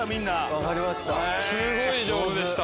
分かりました。